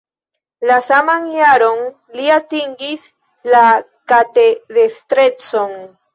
La saman jaron li atingis la katedestrecon.